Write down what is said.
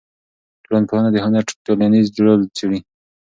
ټولنپوهنه د هنر ټولنیز رول څېړي.